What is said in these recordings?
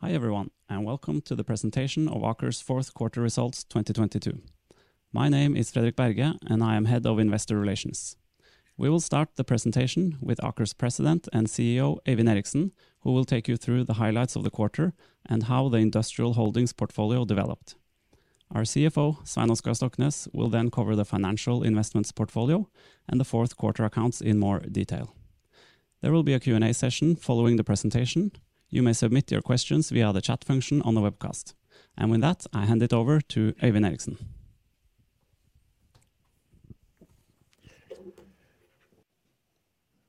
Hi everyone, welcome to the presentation of Aker's fourth quarter results 2022. My name is Fredrik Berge, and I am head of investor relations. We will start the presentation with Aker's President and CEO, Øyvind Eriksen, who will take you through the highlights of the quarter and how the industrial holdings portfolio developed. Our CFO, Svein Sletten, will then cover the financial investments portfolio and the fourth quarter accounts in more detail. There will be a Q&A session following the presentation. You may submit your questions via the chat function on the webcast. With that, I hand it over to Øyvind Eriksen.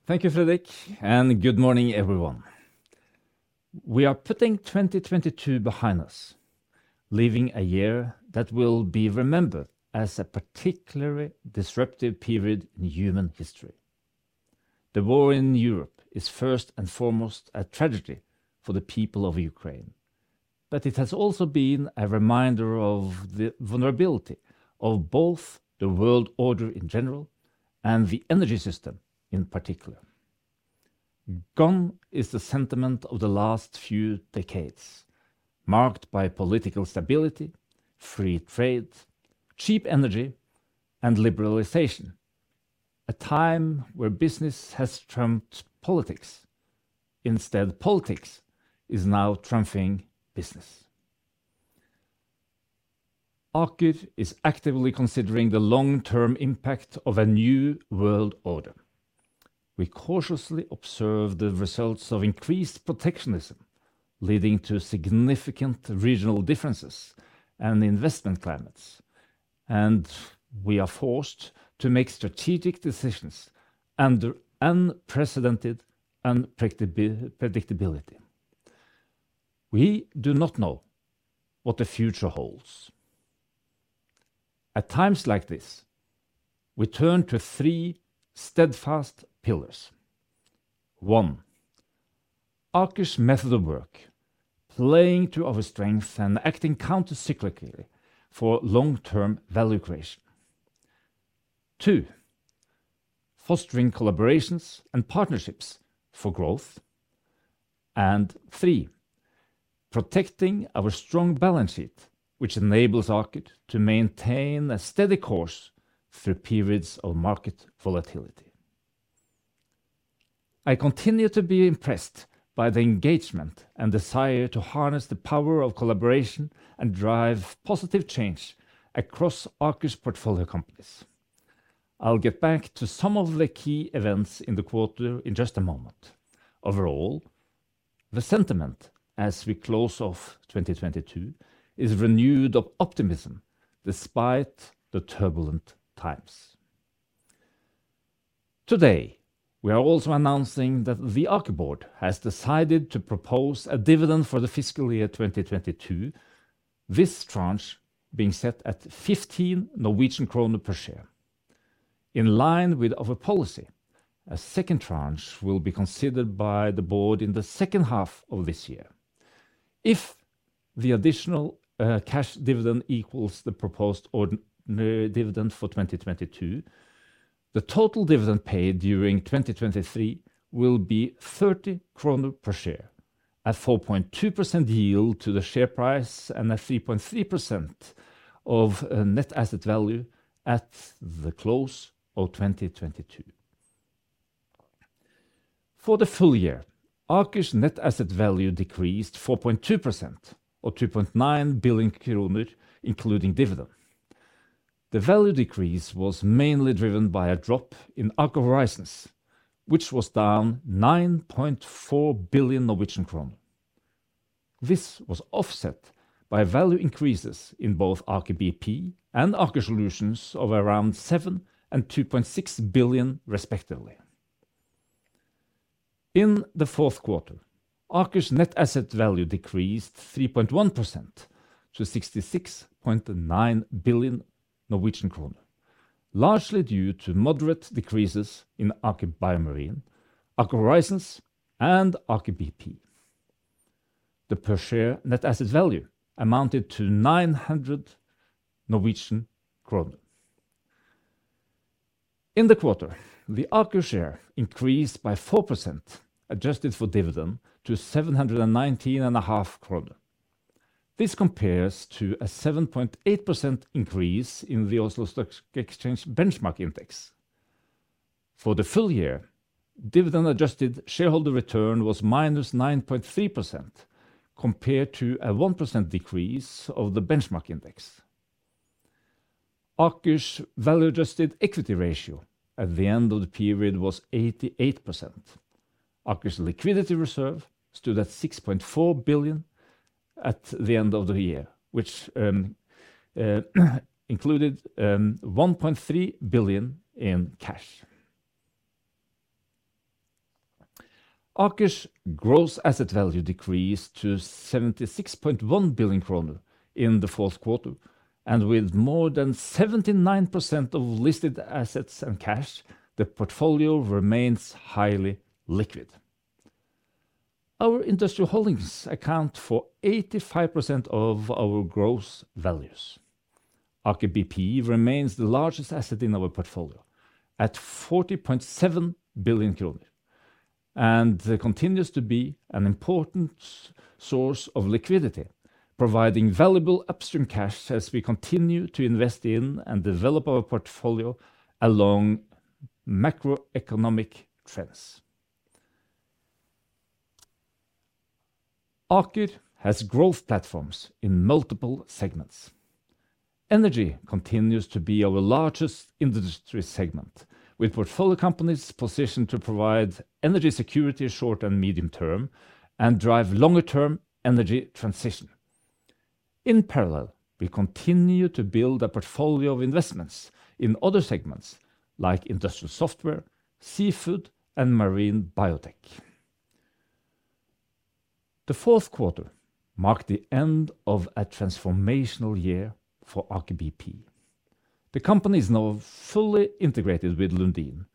Thank you, Fredrik, and good morning, everyone. We are putting 2022 behind us, leaving a year that will be remembered as a particularly disruptive period in human history. The war in Europe is first and foremost a tragedy for the people of Ukraine, but it has also been a reminder of the vulnerability of both the world order in general and the energy system in particular. Gone is the sentiment of the last few decades, marked by political stability, free trade, cheap energy, and liberalization, a time where business has trumped politics. Instead, politics is now trumping business. Aker is actively considering the long-term impact of a new world order. We cautiously observe the results of increased protectionism, leading to significant regional differences and investment climates. We are forced to make strategic decisions under unprecedented unpredictability. We do not know what the future holds. At times like this, we turn to three steadfast pillars. One, Aker's method of work, playing to our strength and acting counter-cyclically for long-term value creation. Two, fostering collaborations and partnerships for growth. Three, protecting our strong balance sheet, which enables Aker to maintain a steady course through periods of market volatility. I continue to be impressed by the engagement and desire to harness the power of collaboration and drive positive change across Aker's portfolio companies. I'll get back to some of the key events in the quarter in just a moment. Overall, the sentiment as we close off 2022 is renewed of optimism despite the turbulent times. Today, we are also announcing that the Aker board has decided to propose a dividend for the Fiscal Year 2022, this tranche being set at 15 Norwegian kroner per share. In line with our policy, a second tranche will be considered by the board in the second half of this year. If the additional cash dividend equals the proposed ordinary dividend for 2022, the total dividend paid during 2023 will be 30 kroner per share at 4.2% yield to the share price and at 3.3% of net asset value at the close of 2022. For the full year, Aker's net asset value decreased 4.2% or 2.9 billion kroner, including dividend. The value decrease was mainly driven by a drop in Aker Horizons, which was down 9.4 billion. This was offset by value increases in both Aker BP and Aker Solutions of around 7 billion and 2.6 billion, respectively. In the fourth quarter, Aker's net asset value decreased 3.1% to 66.9 billion Norwegian kroner, largely due to moderate decreases in Aker BioMarine, Aker Horizons, and Aker BP. The per share net asset value amounted to 900 Norwegian kroner. In the quarter, the Aker share increased by 4%, adjusted for dividend to 719.5 kroner. This compares to a 7.8% increase in the Oslo Stock Exchange benchmark index. For the full year, dividend-adjusted shareholder return was -9.3% compared to a 1% decrease of the benchmark index. Aker's value-adjusted equity ratio at the end of the period was 88%. Aker's liquidity reserve stood at 6.4 billion at the end of the year, which included 1.3 billion in cash. Aker's gross asset value decreased to 76.1 billion kroner in the fourth quarter, and with more than 79% of listed assets and cash, the portfolio remains highly liquid. Our industrial holdings account for 85% of our gross values. Aker BP remains the largest asset in our portfolio at 40.7 billion kroner, and continues to be an important source of liquidity, providing valuable upstream cash as we continue to invest in and develop our portfolio along macroeconomic trends. Aker has growth platforms in multiple segments. Energy continues to be our largest industry segment, with portfolio companies positioned to provide energy security short and medium term and drive longer-term energy transition. In parallel, we continue to build a portfolio of investments in other segments like industrial software, seafood and marine biotech. The fourth quarter marked the end of a transformational year for Aker BP. The company is now fully integrated with Lundin,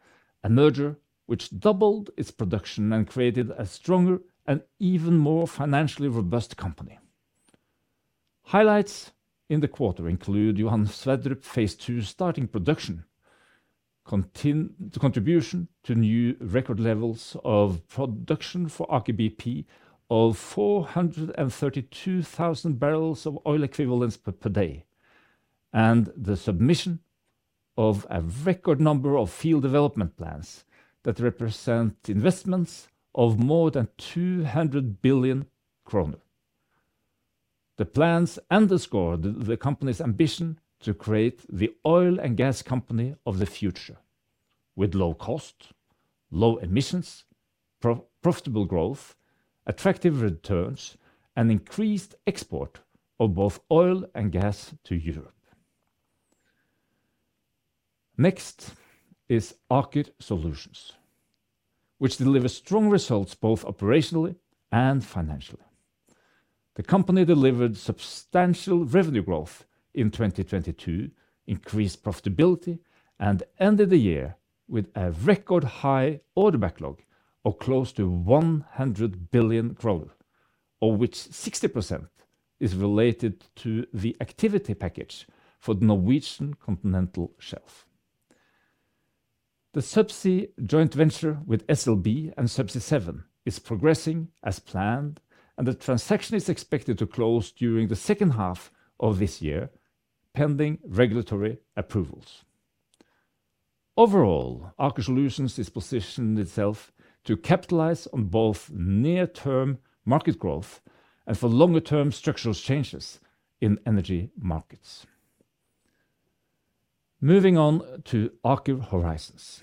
a merger which doubled its production and created a stronger and even more financially robust company. Highlights in the quarter include Johan Sverdrup PII starting production, contribution to new record levels of production for Aker BP of 432,000 barrels of oil equivalents per day, and the submission of a record number of field development plans that represent investments of more than 200 billion kroner. The plans underscore the company's ambition to create the oil and gas company of the future with low cost, low emissions, profitable growth, attractive returns and increased export of both oil and gas to Europe. Next is Aker Solutions, which delivers strong results both operationally and financially. The company delivered substantial revenue growth in 2022, increased profitability and ended the year with a record high order backlog of close to 100 billion, of which 60% is related to the activity package for the Norwegian Continental Shelf. The Subsea joint venture with SLB and Subsea 7 is progressing as planned. The transaction is expected to close during the second half of this year, pending regulatory approvals. Overall, Aker Solutions is positioning itself to capitalize on both near-term market growth and for longer-term structural changes in energy markets. Moving on to Aker Horizons.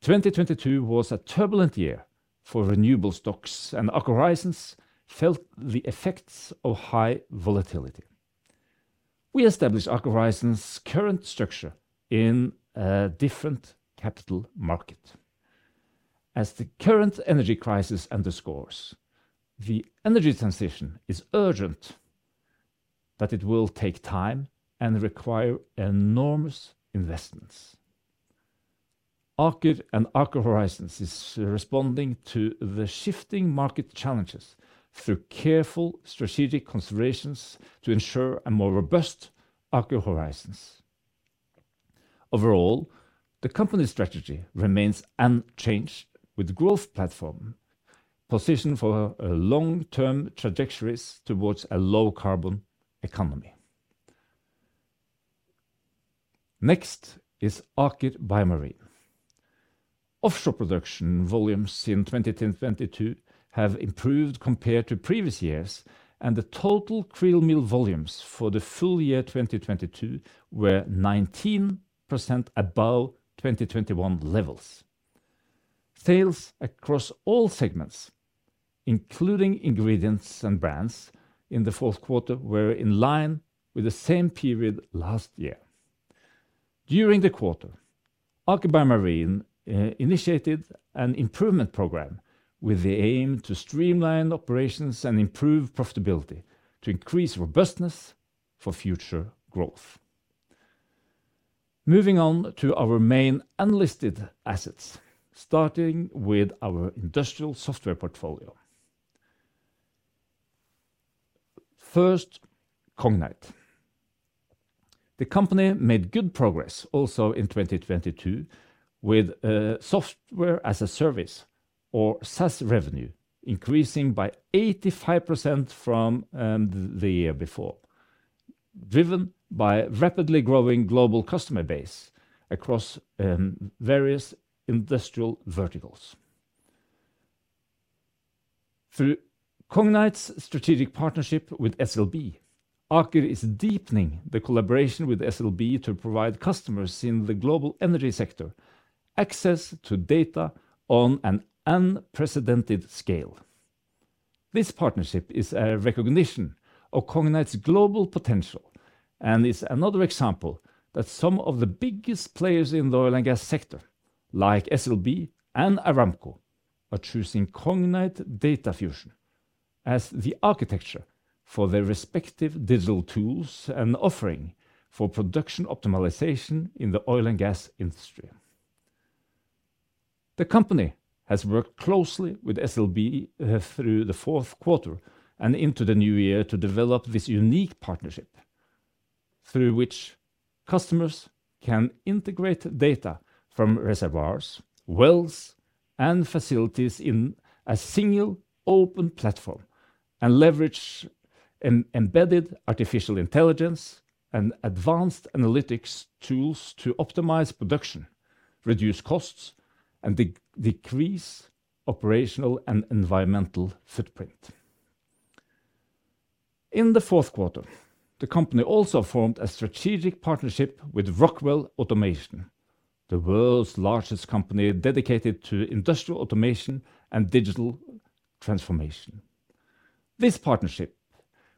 2022 was a turbulent year for renewable stocks. Aker Horizons felt the effects of high volatility. We established Aker Horizons current structure in a different capital market. As the current energy crisis underscores, the energy transition is urgent, it will take time and require enormous investments. Aker and Aker Horizons is responding to the shifting market challenges through careful strategic considerations to ensure a more robust Aker Horizons. Overall, the company's strategy remains unchanged with growth platform positioned for a long-term trajectories towards a low carbon economy. Next is Aker BioMarine. Offshore production volumes in 2022 have improved compared to previous years, and the total krill meal volumes for the full year 2022 were 19% above 2021 levels. Sales across all segments, including ingredients and brands in the fourth quarter, were in line with the same period last year. During the quarter, Aker BioMarine initiated an improvement program with the aim to streamline operations and improve profitability to increase robustness for future growth. Moving on to our main unlisted assets, starting with our industrial software portfolio. First, Cognite. The company made good progress also in 2022, with SaaS revenue increasing by 85% from the year before, driven by a rapidly growing global customer base across various industrial verticals. Through Cognite's strategic partnership with SLB, Aker is deepening the collaboration with SLB to provide customers in the global energy sector access to data on an unprecedented scale. This partnership is a recognition of Cognite's global potential and is another example that some of the biggest players in the oil and gas sector, like SLB and Aramco, are choosing Cognite Data Fusion as the architecture for their respective digital tools and offering for production optimization in the oil and gas industry. The company has worked closely with SLB through the fourth quarter and into the new year to develop this unique partnership through which customers can integrate data from reservoirs, wells, and facilities in a single open platform and leverage embedded artificial intelligence and advanced analytics tools to optimize production, reduce costs, and decrease operational and environmental footprint. In the fourth quarter, the company also formed a strategic partnership with Rockwell Automation, the world's largest company dedicated to industrial automation and digital transformation. This partnership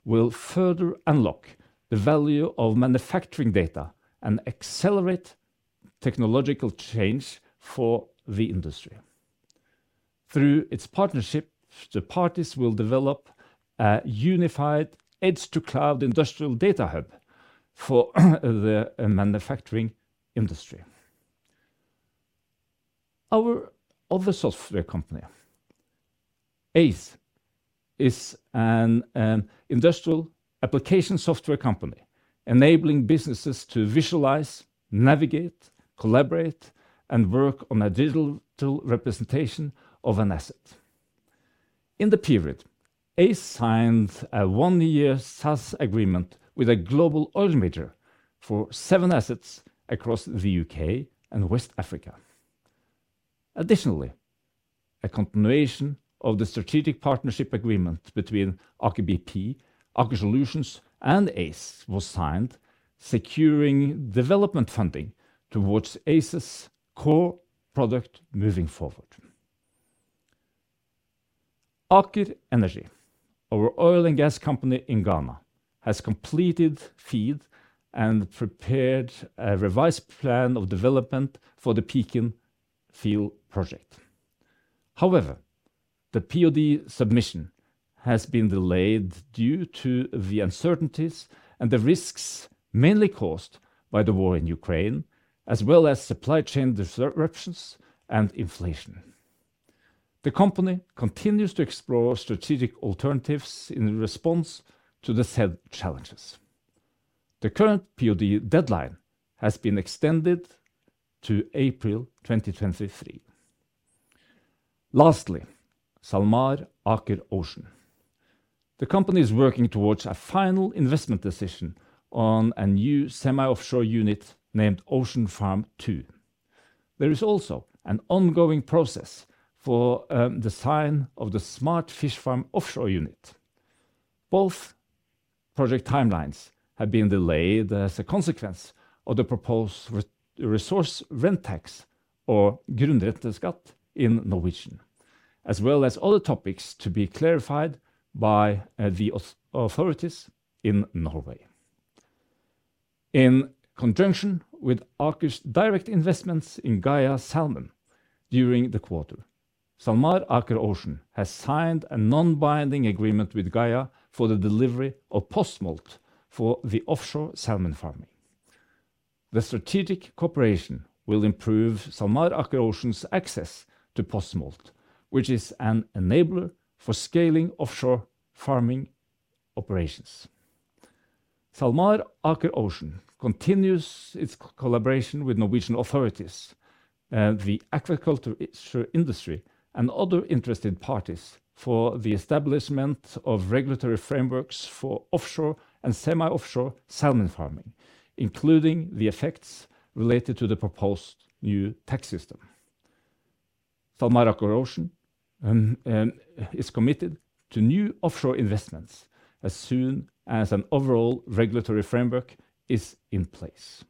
will further unlock the value of manufacturing data and accelerate technological change for the industry. Through its partnership, the parties will develop a unified edge-to-cloud industrial data hub for the manufacturing industry. Our other software company,, is an industrial application software company enabling businesses to visualize, navigate, collaborate, and work on a digital representation of an asset. In the period, Aize signed a one-year SaaS agreement with a global oil major for seven assets across the U.K. and West Africa. A continuation of the strategic partnership agreement between Aker BP, Aker Solutions, and Aize was signed, securing development funding towards Aize's core product moving forward. Aker Energy, our oil and gas company in Ghana, has completed FEED and prepared a revised plan of development for the Pekan field project. The POD submission has been delayed due to the uncertainties and the risks mainly caused by the war in Ukraine, as well as supply chain disruptions and inflation. The company continues to explore strategic alternatives in response to the said challenges. The current POD deadline has been extended to April 2023. SalMar Aker Ocean. The company is working towards a final investment decision on a new semi-offshore unit named Ocean Farm 2. There is also an ongoing process for design of the Smart Fish Farm offshore unit. Both project timelines have been delayed as a consequence of the proposed resource rent tax or grunnrenteskatt in Norwegian, as well as other topics to be clarified by the authorities in Norway. In conjunction with Aker's direct investments in Gaia Salmon during the quarter, SalMar Aker Ocean has signed a non-binding agreement with Gaia for the delivery of post-smolt for the offshore salmon farming. The strategic cooperation will improve SalMar Aker Ocean's access to post-smolt, which is an enabler for scaling offshore farming operations. SalMar Aker Ocean continues its collaboration with Norwegian authorities, the aquaculture industry, and other interested parties for the establishment of regulatory frameworks for offshore and semi-offshore salmon farming, including the effects related to the proposed new tax system. SalMar Aker Ocean is committed to new offshore investments as soon as an overall regulatory framework is in place.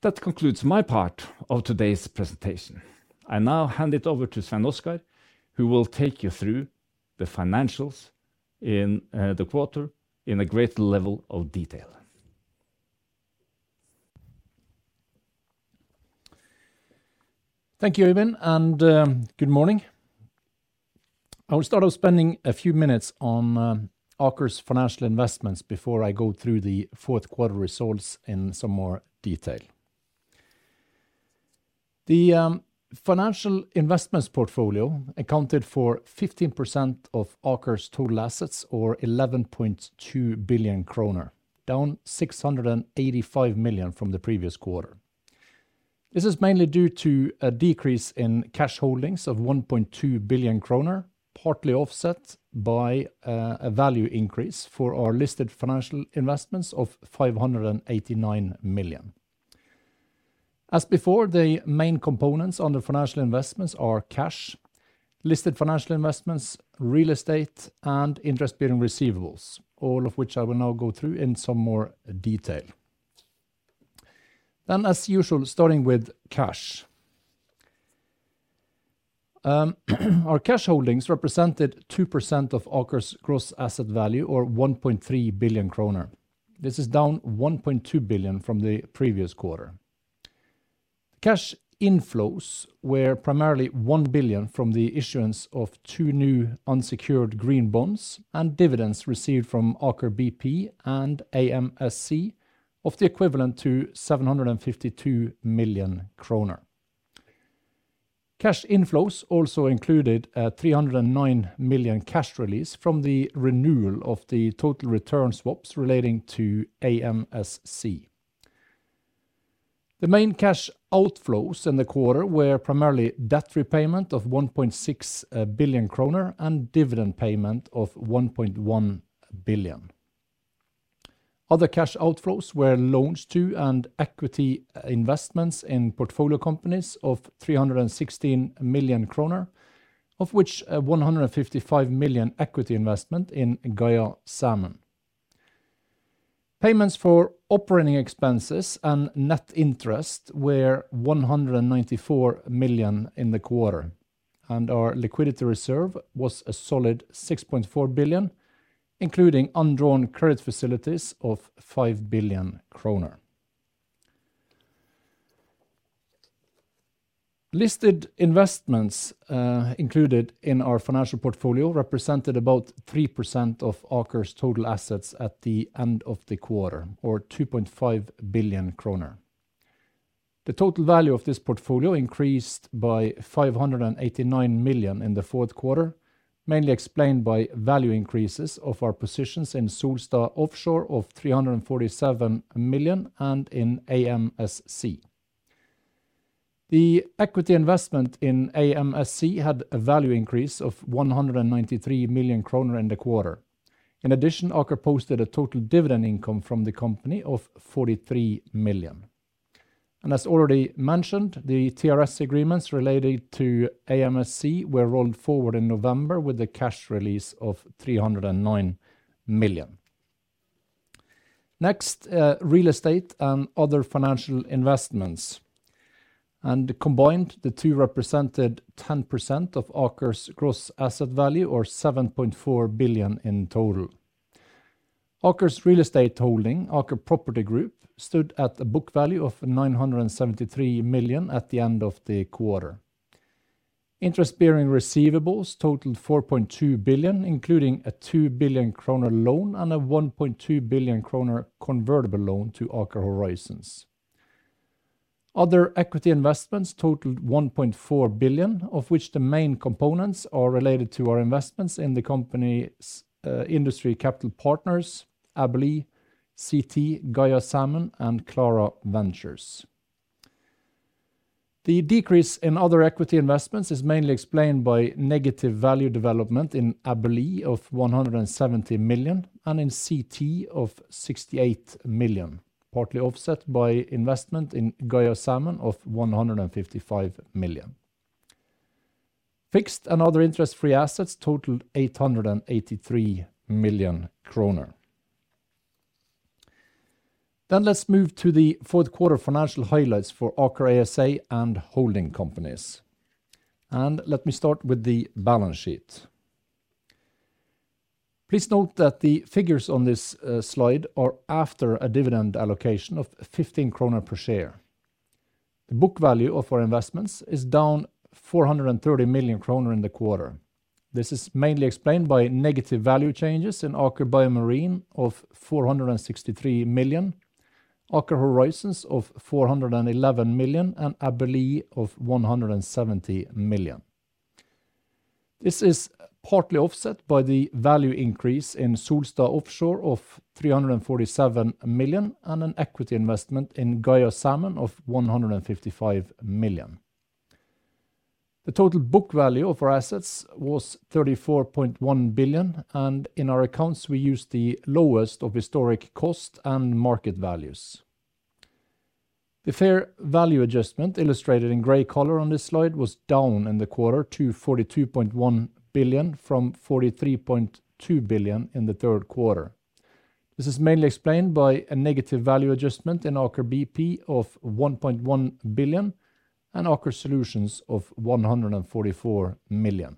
That concludes my part of today's presentation. I now hand it over to Svein Oskar, who will take you through the financials in the quarter in a great level of detail. Thank you, Øyvind, and good morning. I will start off spending a few minutes on Aker's financial investments before I go through the fourth quarter results in some more detail. The financial investments portfolio accounted for 15% of Aker's total assets or 11.2 billion kroner, down 685 million from the previous quarter. This is mainly due to a decrease in cash holdings of 1.2 billion kroner, partly offset by a value increase for our listed financial investments of 589 million. As before, the main components on the financial investments are cash, listed financial investments, real estate, and interest-bearing receivables, all of which I will now go through in some more detail. As usual, starting with cash. Our cash holdings represented 2% of Aker's gross asset value, or 1.3 billion kroner. This is down 1.2 billion from the previous quarter. Cash inflows were primarily 1 billion from the issuance of two new unsecured green bonds and dividends received from Aker BP and AMSC of the equivalent to 752 million kroner. Cash inflows also included a 309 million cash release from the renewal of the total return swaps relating to AMSC. The main cash outflows in the quarter were primarily debt repayment of 1.6 billion kroner and dividend payment of 1.1 billion. Other cash outflows were loans to and equity investments in portfolio companies of 316 million kroner, of which 155 million equity investment in Gaia Salmon. Payments for operating expenses and net interest were 194 million in the quarter, and our liquidity reserve was a solid 6.4 billion, including undrawn credit facilities of 5 billion kroner. Listed investments included in our financial portfolio represented about 3% of Aker's total assets at the end of the quarter, or 2.5 billion kroner. The total value of this portfolio increased by 589 million in the fourth quarter, mainly explained by value increases of our positions in Solstad Offshore of 347 million and in AMSC. The equity investment in AMSC had a value increase of 193 million kroner in the quarter. In addition, Aker posted a total dividend income from the company of 43 million. As already mentioned, the TRS agreements related to AMSC were rolled forward in November with a cash release of 309 million. Next, real estate and other financial investments. Combined, the two represented 10% of Aker's gross asset value, or 7.4 billion in total. Aker's real estate holding, Aker Property Group, stood at a book value of 973 million at the end of the quarter. Interest-bearing receivables totaled 4.2 billion, including a 2 billion kroner loan and a 1.2 billion kroner convertible loan to Aker Horizons. Other equity investments totaled 1.4 billion, of which the main components are related to our investments in the company's Industry Capital Partners, Abili, CT, Gaia Salmon, and Klara Ventures. The decrease in other equity investments is mainly explained by negative value development in Abili of 170 million and in CT of 68 million, partly offset by investment in Gaia Salmon of 155 million. Fixed and other interest-free assets totaled 883 million kroner. Let's move to the fourth quarter financial highlights for Aker ASA and holding companies. Let me start with the balance sheet. Please note that the figures on this slide are after a dividend allocation of 15 kroner per share. The book value of our investments is down 430 million kroner in the quarter. This is mainly explained by negative value changes in Aker BioMarine of 463 million, Aker Horizons of 411 million, and Abili of 170 million. This is partly offset by the value increase in Solstad Offshore of 347 million and an equity investment in Gaia Salmon of 155 million. In our accounts, we used the lowest of historic cost and market values. The fair value adjustment illustrated in gray color on this slide was down in the quarter to 42.1 billion from 43.2 billion in the third quarter. This is mainly explained by a negative value adjustment in Aker BP of 1.1 billion and Aker Solutions of 144 million.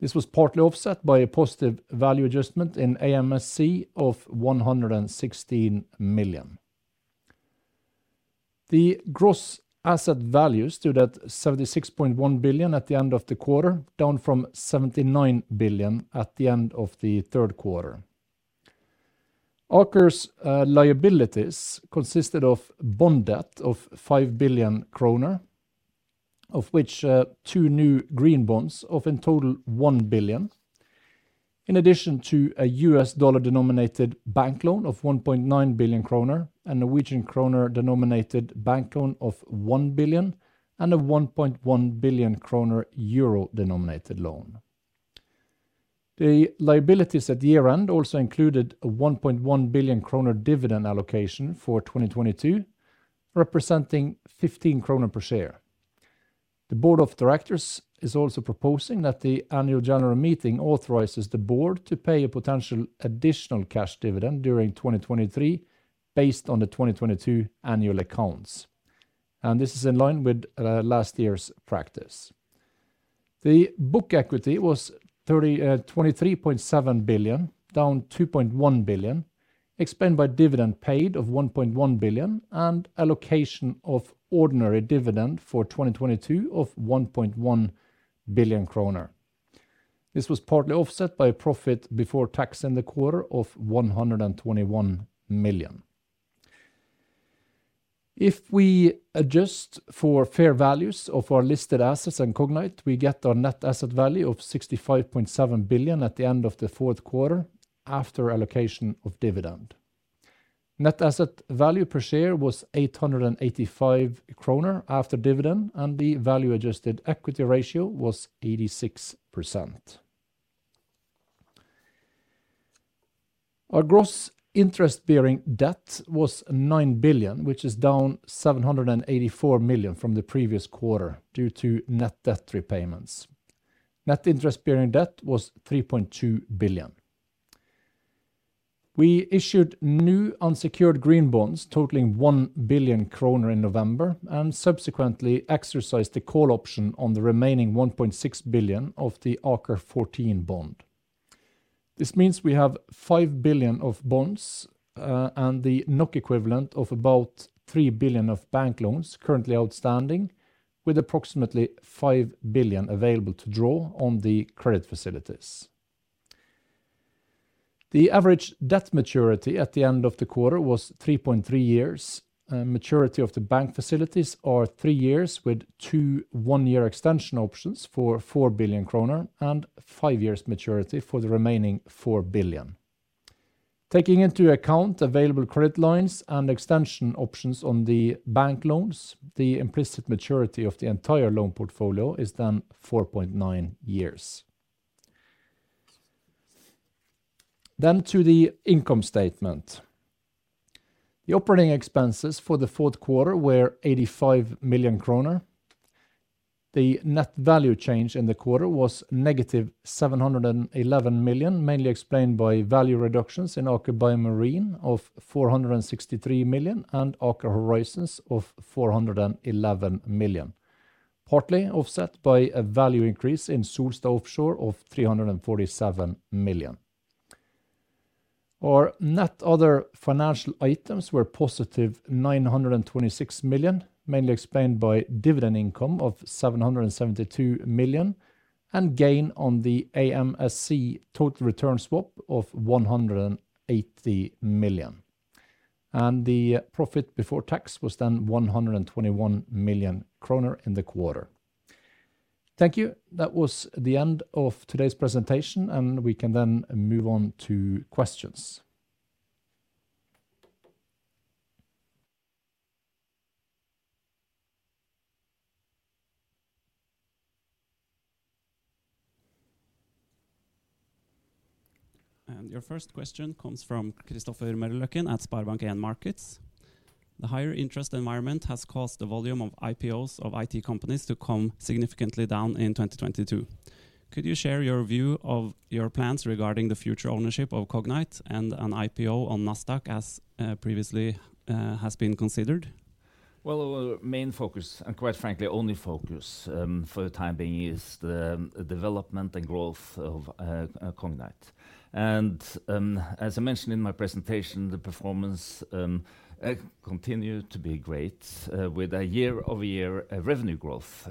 This was partly offset by a positive value adjustment in AMSC of 116 million. The gross asset value stood at 76.1 billion at the end of the quarter, down from 79 billion at the end of the third quarter. Aker's liabilities consisted of bond debt of 5 billion kroner, of which two new green bonds of in total 1 billion, in addition to a US dollar-denominated bank loan of 1.9 billion kroner, a Norwegian kroner-denominated bank loan of 1 billion, and a 1.1 billion kroner euro-denominated loan. The liabilities at year-end also included a 1.1 billion kroner dividend allocation for 2022, representing 15 kroner per share. The board of directors is also proposing that the annual general meeting authorizes the board to pay a potential additional cash dividend during 2023 based on the 2022 annual accounts. This is in line with last year's practice. The book equity was 23.7 billion, down 2.1 billion, explained by dividend paid of 1.1 billion and allocation of ordinary dividend for 2022 of 1.1 billion kroner. This was partly offset by profit before tax in the quarter of 121 million. If we adjust for fair values of our listed assets and Cognite, we get our net asset value of 65.7 billion at the end of the fourth quarter after allocation of dividend. Net asset value per share was 885 kroner after dividend, and the value-adjusted equity ratio was 86%. Our gross interest-bearing debt was 9 billion, which is down 784 million from the previous quarter due to net debt repayments. Net interest-bearing debt was 3.2 billion. We issued new unsecured green bonds totaling 1 billion kroner in November and subsequently exercised the call option on the remaining 1.6 billion of the AKER14 bond. This means we have 5 billion of bonds, and the NOK equivalent of about 3 billion of bank loans currently outstanding, with approximately 5 billion available to draw on the credit facilities. The average debt maturity at the end of the quarter was 3.3 years. Maturity of the bank facilities are three years with two one-year extension options for 4 billion kroner and five years maturity for the remaining 4 billion. Taking into account available credit lines and extension options on the bank loans, the implicit maturity of the entire loan portfolio is 4.9 years. To the income statement. The operating expenses for the fourth quarter were 85 million kroner. The net value change in the quarter was negative 711 million, mainly explained by value reductions in Aker BioMarine of 463 million and Aker Horizons of 411 million, partly offset by a value increase in Solstad Offshore of 347 million. Our net other financial items were positive 926 million, mainly explained by dividend income of 772 million and gain on the AMSC total return swap of 180 million. The profit before tax was 121 million kroner in the quarter. Thank you. That was the end of today's presentation, and we can then move on to questions. Your first question comes from Kristoffer Metiøkken at SpareBank 1 Markets. The higher interest environment has caused the volume of IPOs of IT companies to come significantly down in 2022. Could you share your view of your plans regarding the future ownership of Cognite and an IPO on Nasdaq as previously has been considered? Well, our main focus, and quite frankly, only focus, for the time being is the development and growth of Cognite. As I mentioned in my presentation, the performance continued to be great, with a year-over-year revenue growth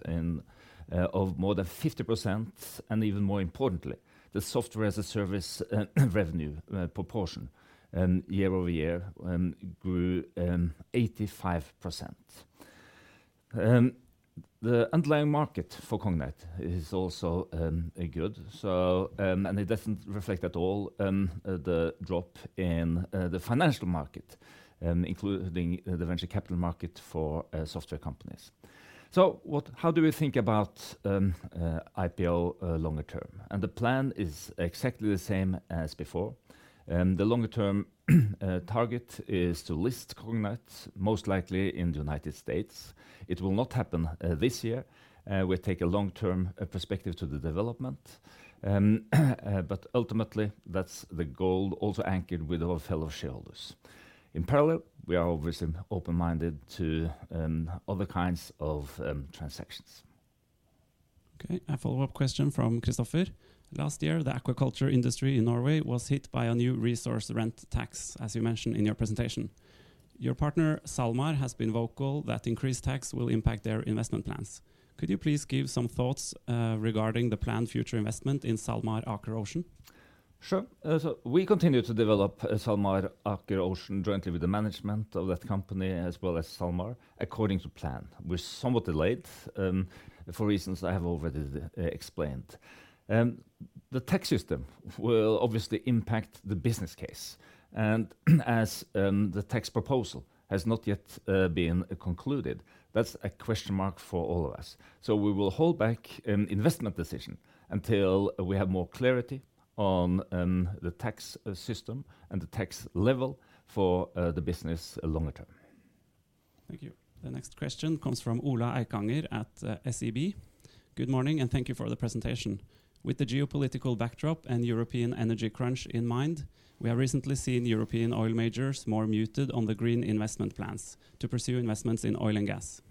of more than 50%, and even more importantly, the software as a service revenue proportion year-over-year grew 85%. The underlying market for Cognite is also good. It doesn't reflect at all the drop in the financial market, including the venture capital market for software companies. How do we think about IPO longer term? The plan is exactly the same as before. The longer-term target is to list Cognite most likely in the United States. It will not happen this year. We take a long-term perspective to the development. Ultimately, that's the goal also anchored with our fellow shareholders. In parallel, we are obviously open-minded to other kinds of transactions. Okay. A follow-up question from Kristoffer. Last year, the aquaculture industry in Norway was hit by a new resource rent tax, as you mentioned in your presentation. Your partner, SalMar, has been vocal that increased tax will impact their investment plans. Could you please give some thoughts regarding the planned future investment in SalMar Aker Ocean? Sure. We continue to develop SalMar Aker Ocean jointly with the management of that company as well as SalMar according to plan. We're somewhat delayed for reasons I have already explained. The tax system will obviously impact the business case, and as the tax proposal has not yet been concluded, that's a question mark for all of us. We will hold back an investment decision until we have more clarity on the tax system and the tax level for the business longer term. Thank you. The next question comes from Ola Eikanger at SEB. Good morning, and thank you for the presentation. With the geopolitical backdrop and European energy crunch in mind, we have recently seen European oil majors more muted on the green investment plans to pursue investments in oil and gas.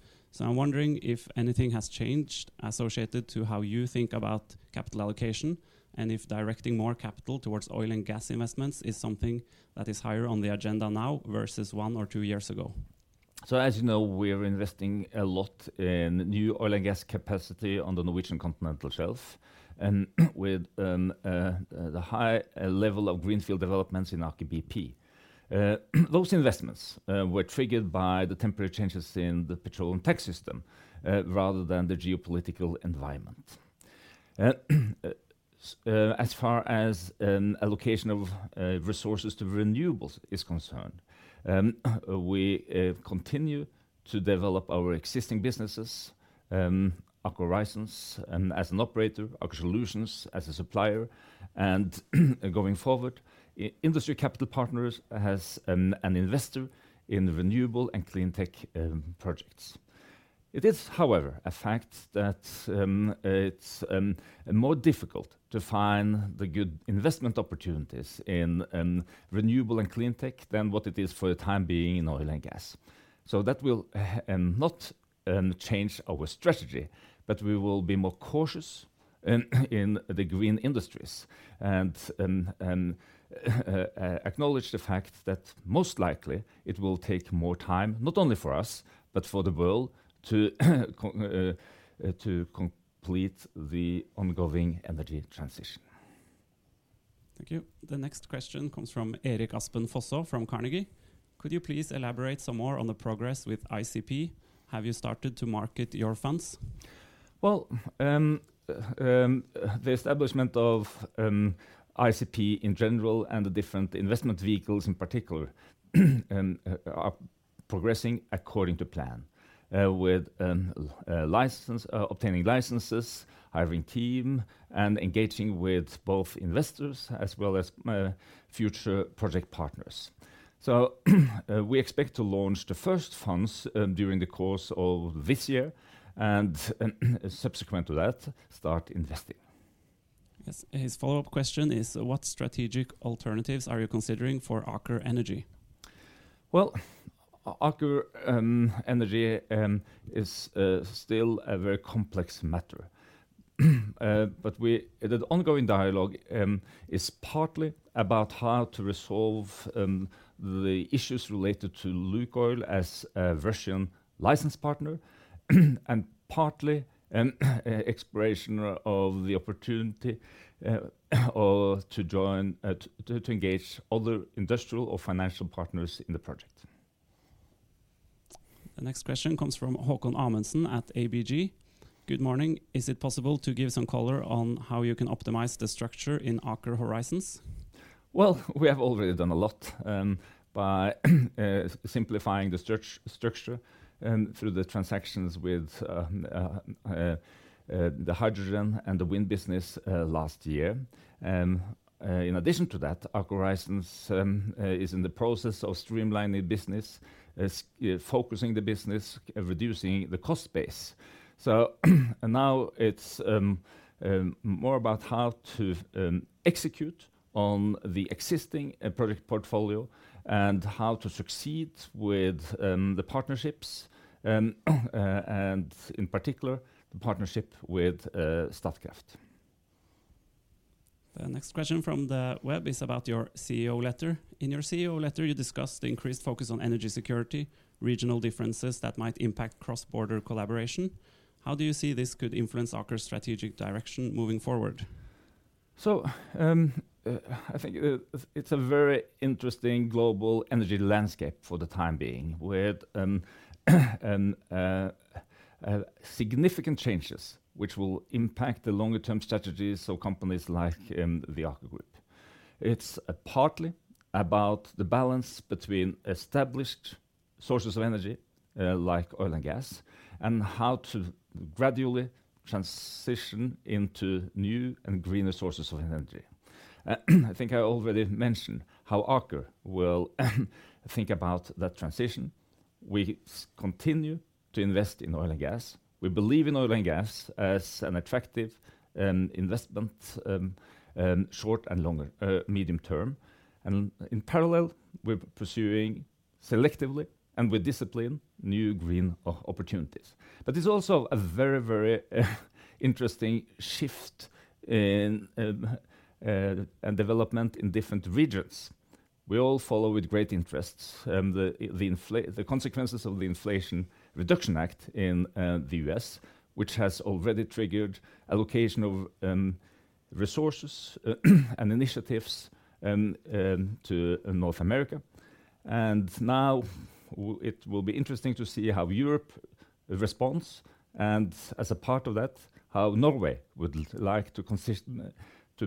I'm wondering if anything has changed associated to how you think about capital allocation and if directing more capital towards oil and gas investments is something that is higher on the agenda now versus one or two years ago. As you know, we're investing a lot in new oil and gas capacity on the Norwegian Continental Shelf and with the high level of greenfield developments in Aker BP. Those investments were triggered by the temporary changes in the petroleum tax system rather than the geopolitical environment. As far as an allocation of resources to renewables is concerned, we continue to develop our existing businesses, Aker Horizons as an operator, Aker Solutions as a supplier, and going forward, Industry Capital Partners has an investor in renewable and clean tech projects. It is, however, a fact that it's more difficult to find the good investment opportunities in renewable and clean tech than what it is for the time being in oil and gas. That will not change our strategy, but we will be more cautious in the green industries and acknowledge the fact that most likely it will take more time, not only for us, but for the world to complete the ongoing energy transition. Thank you. The next question comes from Erik Aspen Fosså from Carnegie. Could you please elaborate some more on the progress with ICP? Have you started to market your funds? Well, the establishment of ICP in general and the different investment vehicles in particular, are progressing according to plan, with obtaining licenses, hiring team, and engaging with both investors as well as future project partners. We expect to launch the first funds during the course of this year and subsequent to that, start investing. Yes. His follow-up question is, what strategic alternatives are you considering for Aker Energy? Well, Aker Energy is still a very complex matter. The ongoing dialogue is partly about how to resolve the issues related to LUKOIL as a Russian license partner and partly exploration of the opportunity or to engage other industrial or financial partners in the project. The next question comes from Haakon Amundsen at ABG. Good morning. Is it possible to give some color on how you can optimize the structure in Aker Horizons? Well, we have already done a lot, by simplifying the structure, through the transactions with the hydrogen and the wind business last year. In addition to that, Aker Horizons is in the process of streamlining business, is focusing the business, reducing the cost base. Now it's more about how to execute on the existing project portfolio and how to succeed with the partnerships, and in particular, the partnership with Statkraft. The next question from the web is about your CEO letter. In your CEO letter, you discussed increased focus on energy security, regional differences that might impact cross-border collaboration. How do you see this could influence Aker's strategic direction moving forward? I think it's a very interesting global energy landscape for the time being with significant changes which will impact the longer term strategies of companies like the Aker Group. It's partly about the balance between established sources of energy, like oil and gas, and how to gradually transition into new and greener sources of energy. I think I already mentioned how Aker will think about that transition. We continue to invest in oil and gas. We believe in oil and gas as an attractive investment, short and longer, medium term. In parallel, we're pursuing selectively and with discipline, new green opportunities. There's also a very, very interesting shift in development in different regions. We all follow with great interest the consequences of the Inflation Reduction Act in the U.S.., which has already triggered allocation of resources and initiatives to North America. Now it will be interesting to see how Europe responds, and as a part of that, how Norway would like to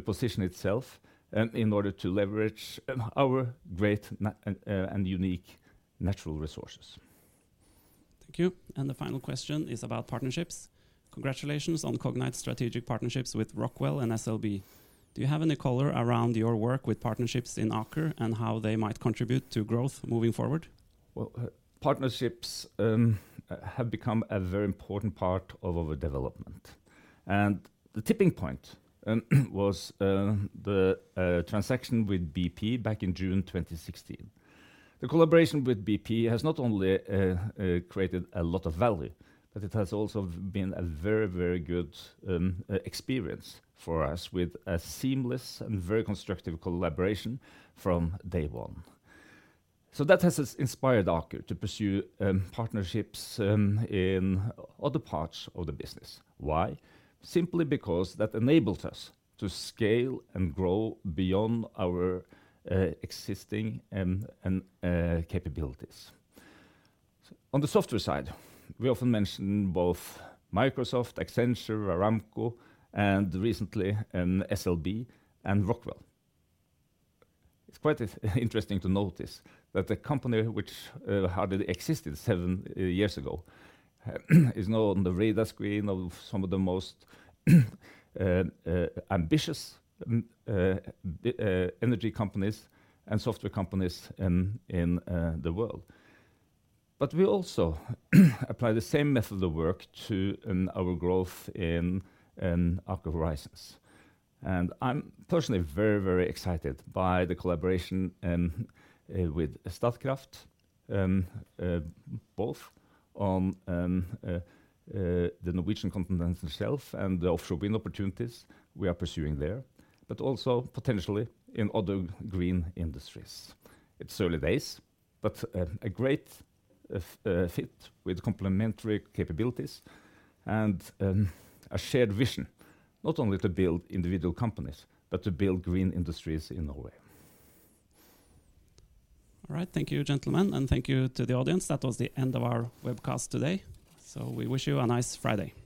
position itself in order to leverage our great and unique natural resources. Thank you. The final question is about partnerships. Congratulations on Cognite's strategic partnerships with Rockwell and SLB. Do you have any color around your work with partnerships in Aker and how they might contribute to growth moving forward? Well, partnerships have become a very important part of our development. The tipping point was the transaction with BP back in June 2016. The collaboration with BP has not only created a lot of value, but it has also been a very good experience for us with a seamless and very constructive collaboration from day one. That has inspired Aker to pursue partnerships in other parts of the business. Why? Simply because that enables us to scale and grow beyond our existing capabilities. On the software side, we often mention both Microsoft, Accenture, Aramco, and recently, SLB and Rockwell. It's quite interesting to notice that the company which, hardly existed seven years ago is now on the radar screen of some of the most ambitious energy companies and software companies in the world. We also apply the same method of work to our growth in Aker Horizons. I'm personally very, very excited by the collaboration with Statkraft, both on the Norwegian continental shelf and the offshore wind opportunities we are pursuing there, but also potentially in other green industries. It's early days, but a great fit with complementary capabilities and a shared vision, not only to build individual companies, but to build green industries in Norway. All right. Thank you, gentlemen, and thank you to the audience. That was the end of our webcast today. We wish you a nice Friday.